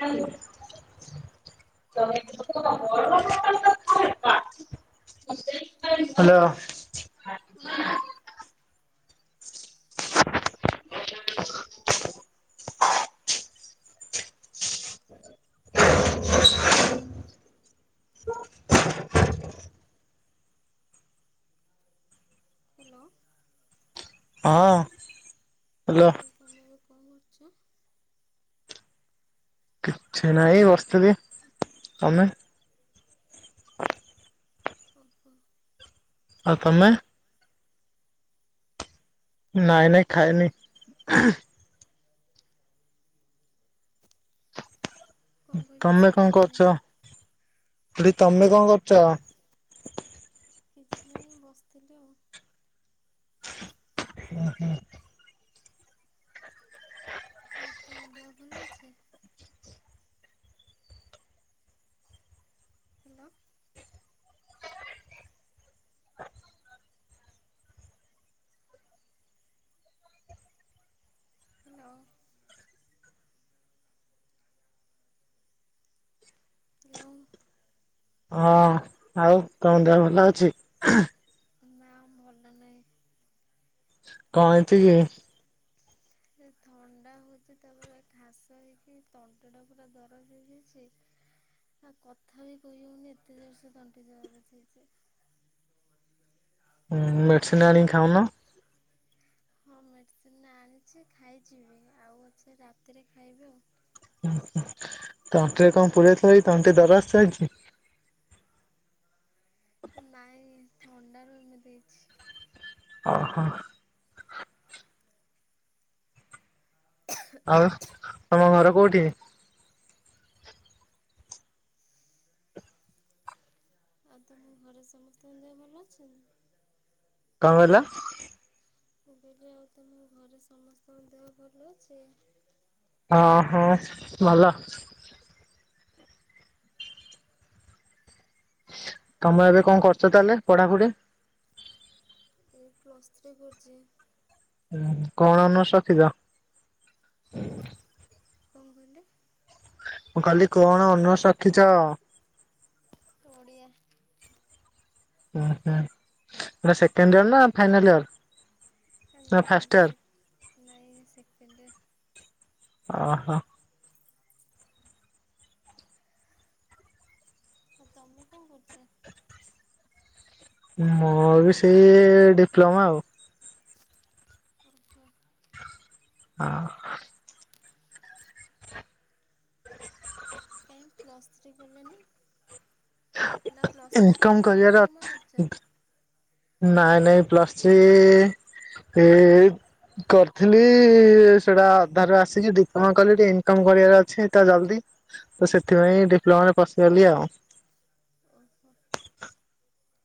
ହୁଁ ତ ହ୍ୟାଲୋ। ହଁ। ଗ ହ୍ୟାଲୋ। ହଁ ହ୍ୟାଲୋ। ତମେ ଏବେ କଣ କରୁଛ? କିଛି ନାହିଁ ବସିଥିଲି ତମେ? ଯ ଓହ। ଆଉ ତମେ? ନାଇଁ ନାଇଁ ଖାଇନି। କଣ କହିଲ ତମେ କଣ ଶୁଭିଲାନି? କରୁଛ ଏଠି ତମେ କଣ କରୁଛ? କିଛି ନାଇଁ ବସିଥିଲି ଆଉ। ହୁଁ ହୁଁ। ଆଉ ତମ ଦେହ ଭଲ ଅଛେ? ହ୍ୟାଲୋ। ହ୍ୟାଲୋ ହ୍ୟାଲୋ ହଁ ଆଉ ତମ ଦେହ ଭଲ ଅଛି? ନା ଭଲ ନାହିଁ। କଣ ହେଇଛି କି? ଏ ଥଣ୍ଡା ହଉଛି ତାପରେ ଖାସ ହେଇକି ତଣ୍ଟି ଟା ପୁରା ଦରଜ ହେଇଯାଇଛି ଆଉ କଥା ବି କହିହଉନି ଏତେ ଜୋର ସେ ତଣ୍ଟି ଦରଜ ହେଇଛି। ହଁ [inaudible] ହଁ ମେଡ଼ିସିନ ଆଣିକି ଖାଉନ। ହଁ ମେଡ଼ିସିନ ଆଣିଛି ଖାଇଛିିବି ଆଉ ଅଛି ରାତିରେ ଖାଇବି ଆଉ। ହୁଁ ହୁଁ ତଣ୍ଟିରେ କଣ ପୂରେଇଥିଲ କି ତଣ୍ଟି ଦରଯ ହେଇଛି। ନାଇଁ ଥଣ୍ଡାରୁ ଏମିତି ହେଇଛି। ହୁଁ ଅ ହ। ଆଉ ତମ ଘର କୋଉଠି? ଆଉ ତମ ଘରେ ସମସ୍ତଙ୍କ ଦେହ ଭଲ ଅଛନ୍ତି। କଣ କହିଲ? ମୁଁ କହିଲି ଆଉ ତମ ଘରେ ସମସ୍ତଙ୍କ ଦେହ ଭଲ ଅଛି? ହଁ ହଁ ଭଲ। ତମେ ଏବେ କଣ କରୁଛ ତାହେଲେ ପଢାପଢି? ଏଇ ପ୍ଲସ୍ ଥ୍ରୀ କରୁଛି। ହୁଁ କଣ ଅନର୍ସ ରଖିଛ? କଣ କହିଲେ? ମୁଁ କହିଲି କଣ ଅନର୍ସ ରଖିଛ? ଓଡ଼ିଆ। ଉ ହୁଁ ଏଇଟା ସେକେଣ୍ଡ ଇୟର ନା ଫାଇନାଲ ଇୟର? କେ ନା ଫାଷ୍ଟ ନାଏଟା ଇୟର? ସେକେ- ନାଇଁ ସେକେଣ୍ଡଇଅର। ଓହୋ। [inaudible] ଆଉ ତମେ କଣ କରୁଛ? ମୋର ବି ସେଇ ଡିପ୍ଲୋମା ଆଉ। ଓ ହୋ। ହଁ। କାଇଁ ପ୍ଲସ୍ ଥ୍ରୀ କଲେନି ନା ପ୍ଲସ୍ ଥ୍ରୀ ଇନକମ୍ କରିକି କରିବାର ଡିପ୍ଲୋମା ଅଛି କରିଛ? ନାଇଁ ନାଇଁ ପ୍ଲସଥ୍ରୀ ଇ କରିଥିଲି ସେଟା ଅଧାରୁ ଆସିକି ଡିପ୍ଲୋମା କଲି ଟିକେ ଇନକମ କରିବାର ଅଛି ତ ଜଲଦି ତ ସେଥିପାଇଁ ଡିପ୍ଲୋମା ରେ ପଶିଗଲି ଆଉ। ଓହୋ।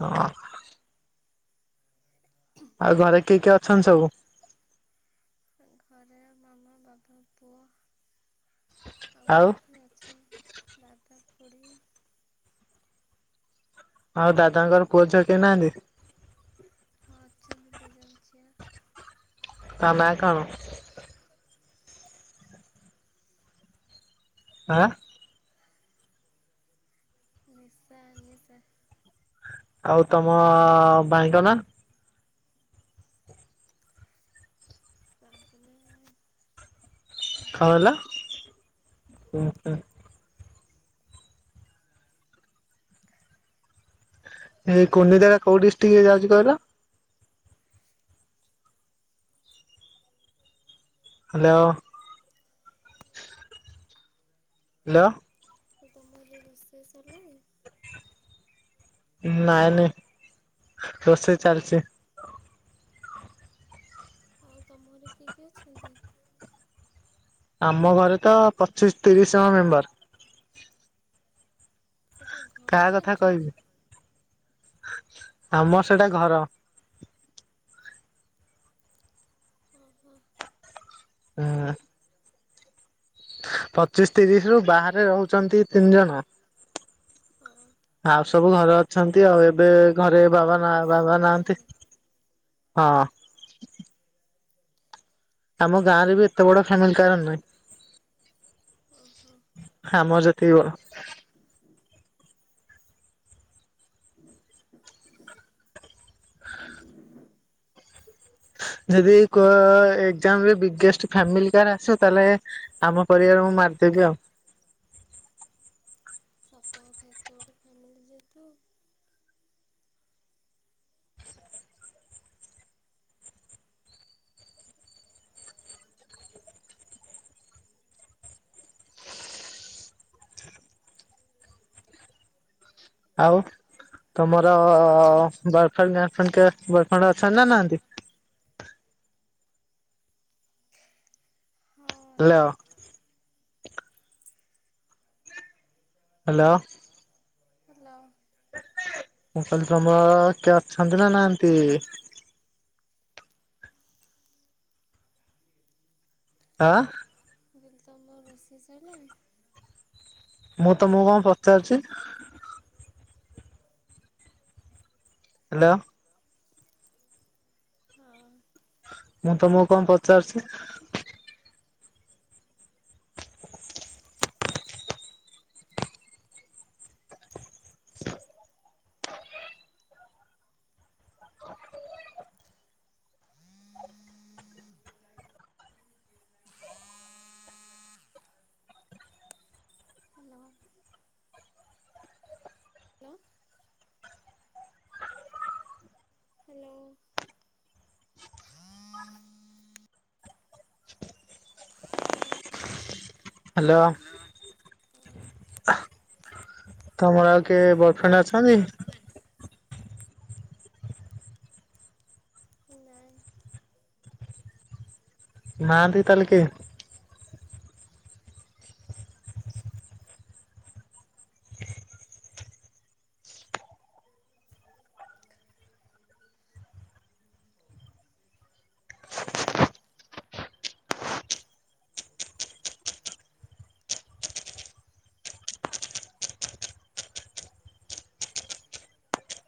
ହଁ। ଆଉ ଘରେ କିଏ କିଏ ଅଛନ୍ତି ସବୁ? ଘରେ ମାମା, ବାବା, ପୁଅ ଆଉ ଏମିତି ଅଛନ୍ତି ଦାଦା, ଖୁଡି ଆଉ ଦାଦାଙ୍କର ପୁଅ ଝିଅ କେହି ନାହାନ୍ତି? ହଁ ଅଛନ୍ତି ଦି ଜଣ ଝିଅ ତା ନାଁ କଣ? ଆଁ ନିଶା ଅନିଶା। ଆଉ ତମ ଭାଇଙ୍କ ନା? ତାଙ୍କ ନା ଜିତ୍ କଣ କହିଲ ଉଁ ହୁଁ। ଏଇ କୁନିନ୍ଧା ଟା କୋଉ ଡିଷ୍ଟ୍ରିକ୍ ରେ ଯାଉଛି କହିଲ? ହ୍ୟାଲୋ। ହ୍ୟାଲୋ। ତୁମର ରୋଷେଇ ସରିଲାଣି? ନାଇଁ ନାଇଁ, ରୋଷେଇ ଚାଲିଛି। ଆଉ ତମ ଘରେ କିଏ କିଏ ଅଛନ୍ତି? ଆମ ଘରେ ତ, ପଚିଶି ତିରିଶ ଜଣ ମେମ୍ବର। ସେଟା ଘର କାହା ନା କଥା ଜୁ କହିବି? ଆମର ସେଟା ଘର। ଓ ହୋ। ହଁ। ପଚିଶି ତିରିଶ ରୁ ବାହାରେ ରହୁଛନ୍ତି ତିନି ଜଣ ଓ ହୋ। ଆଉ ସବୁ ଘରେ ଅଛନ୍ତି ଆଉ ଏବେ ଘରେ ବାବା ନା ଜଏଣ୍ଟ ବାବା ଫ୍ୟାମିଲି ନାହାନ୍ତି। ତାହେଲେ ହଁ ଆମ ଗାଁ ରେ ବି ଏତେ ବଡ ଫ୍ୟାମିଲି କାହାର ନୁହେଁ। ଓ ହୋ। ଅମର ଯେତିକି ଘର। ଯଦି କ ଏକଜାମ୍ ରେ ବିଗେଷ୍ଟ ଫ୍ୟାମିଲୀ କାହାର ଆସିବ ତାହେଲେ ଆମ ପରିବାରକୁ ମୁଁ ମାରିଦେବି ଆଉ। ତ ଏତେ ବଡ଼ ଫ୍ୟାମିଲି ଯେହେତୁ ଆଉ ତମର ବୟଫ୍ରେଣ୍ଡ୍ ଗାର୍ଲଫ୍ରେଣ୍ଡ କିଏ ବୟଫ୍ରେଣ୍ଡ୍ ଅଛନ୍ତି ନା ନାହାନ୍ତି? ହଁ ହେଲୋ। ହ୍ୟାଲୋ। ହ୍ୟାଲୋ। ମୁଁ କହିଲି ତମର କିଏ ଅଛନ୍ତି ନା ନାହାନ୍ତି? ଆଁ? [unintelligible] ତମ ରୋଷେଇ ସାରିଲାଣି? ମୁଁ ତମକୁ କଣ ପଚାରୁଛି? ହ୍ୟାଲୋ। ହଁ। ମୁଁ ତମକୁ କଣ ପଚାରୁଛି? ହୁଁ! Hello hello hello. ହ୍ୟାଲୋ। ତମର ଆଉ କିଏ ତମର କିଏ ବଏଫେଣ୍ଡ ଅଛି? ବୟଫ୍ରେଣ୍ଡ ଅଛନ୍ତି? ନାହିଁ। ନାହାନ୍ତି ତାହେଲେ କେହି?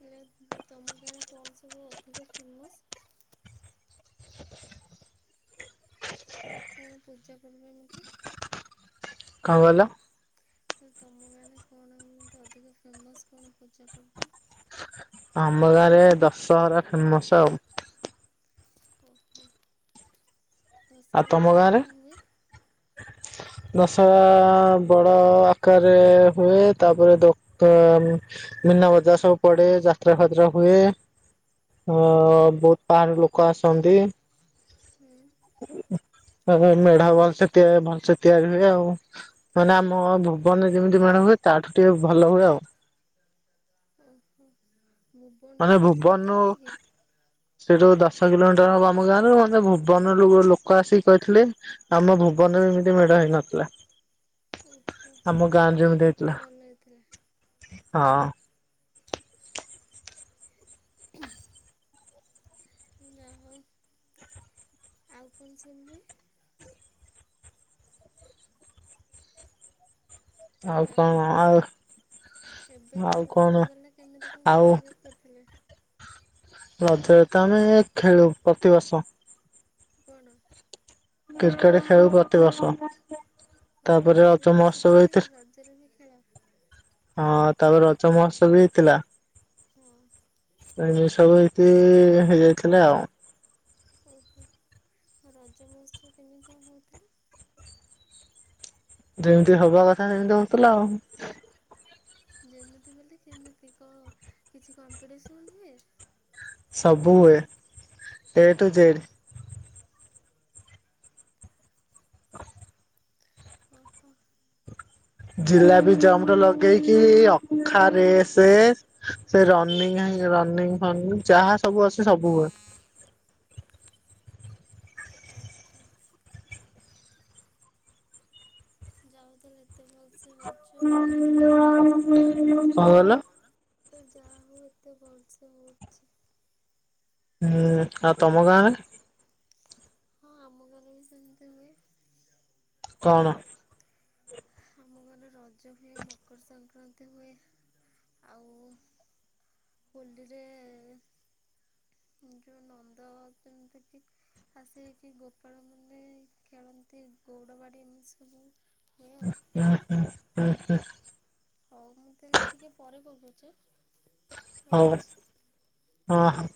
ହେଲେ ତମ ଗାଁରେ କଣ ସବୁ ଅଧିକ ଫେମସ୍? କଣ ପୂଜା ପର୍ବ ଏମିତି? କଣ କହିଲ? ତମ ଗାଁରେ କଣ ଏତି ଅଧିକା ଫେମସ୍ କଣ ପୂଜା ପର୍ବ? ଆମ ଗାଁ ରେ ଦଶହରା ଫେମସ୍। ଓହୋ। ଆଉ ଦସରା ତମ କେମିତି ଗାଁରେ? କଣ ହୁଏ? ଦଶହରା ବଡ ଆକାରରେ ହୁଏ ତାପରେ ଦୋକାନ ମୀନା ବଜାର ସବୁ ପଡେ ଯାତ୍ରା ଫାତ୍ରା ହୁଏ ହ ବହୁତ ପା [unintelligible] ଲୋକ ଆସନ୍ତି। ହୁଁ। ମେଢା ଭଲସେ ତିଆରି ଭଲସେ ତିଆରି ହୁଏ ଆଉ। ମାନେ ଆମ ଭୁବନରେ ଯେମିତି ମେଢ଼ ହୁଏ ତାଠୁ ଟିକେ ଭଲ ହୁଏ ଆଉ। ଓ ହୋ। ମାନେ ଭୁବନ ସେଠୁ ଦଶ କିଲୋମିଟର ହବ ଆମ ଗାଁ ରୁ ମେ ଭୁବନରୁ ଲୋକ ଆସିକି କହିଥିଲେ ଆମ ଭୁବନରେ ଏମିତି ମେଢ ହେଇନଥିଲା। ଓହୋ ଆମ ଗାଁ ରେ ଯେମିତି ତାହେଲେ ଏତେ ହେଇଥିଲା ଭଲ ହେଇଥିଲା ହଁ। ନା ହଉ। ଆଉ କଣ ସେମିତି? ଆଉ ହେଲା କଣ ଆଉ ଏବେ ଆଉ ଯୋଉ କଣ ରଜ ଗଲା କେମିତି କଣ ଆଉ ସେଲିବ୍ରେଟ କରିଥିଲେ? ରଜରେ ତ ଆମେ ଖେଳୁ ପ୍ରତିବର୍ଷ କଣ? କ୍ରିକେଟ ଖେଳ ପ୍ରତିବର୍ଷ ତାପରେ ରଜ ରଜରେ ବି ମହୋତ୍ସବ ଛୁଟି ହେଇଥିଲା ନାହିଁ ରଜରେ ବି ଖେଳ ହଁ ତାପରେ ରଜମହସ ବି ହେଇଥିଲା। ହଁ। ଏମି ସବୁ ଏଇଠି ହେଇଯାଇଥିଲେ ଆଉ। ଓହୋ। ହଁ ରଜ ମହଉଚ୍ଛବ କେମିତି କଣ ହଉଥିଲା? ଯେମିତି ହବା କଥା ସେମିତି ହଉଥିଲା ଆଉ। ଜାମେତି ବୋଲେ କେମିତି କଣ କିଛି କମ୍ପିଟିସନ ହୁଏ? ସବୁ ହୁଏ ଏ ଟୁ ଜେଡ। ଓହୋ। ଜିଲାପି ଜମ୍ପ ରୁ ଲାଗେଇକି ଅଖା ରେସ ସେ ରନିଂ ରନିଂ ଫନିଂ ଯାହା ସବୁ ଅଛି ସବୁ ହୁଏ। ଓହୋ ଯାହା ହଉ ତାହଲେ ଏତେ ଭଲ ସେ ହଉଛି ଆଉ। କଣ କହିଲ ହୁଁ ଯାହା ହଉ ଏତେ ଭଲସେ ହଉ ହୁଁ ଆଉ ତମ ଗାଁରେ? ହଁ ଆମ ଘାରେ ବି ସେମିତି ହୁଏ। କଣ? ଆମ ଘରେ ରଜ ହୁଏ ମକର ସଂକ୍ରାନ୍ତି ହୁଏ ଆଉ ହୋଲିରେ ଯୋଉ ନନ୍ଦ ଯେମିତି କି ଆସିକି ଗୋପାଳ ମାନେ ଖେଳନ୍ତି ଗୌଡ ବାଡ଼ି ଏମିତି ସବୁ। ହୁଏ ଆଉ। ହୁଁ ହୁଁ ହୁଁ ହୁଁ। ହଉ ମୁଁ ତାହାଲେ ଟିକେ ପରେ କଲ କରୁଛି ହା। ହଉ ହଁ ହଁ।